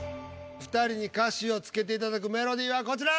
２人に歌詞をつけていただくメロディーはこちら。